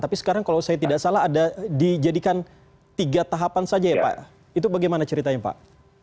tapi sekarang kalau saya tidak salah ada dijadikan tiga tahapan saja ya pak itu bagaimana ceritanya pak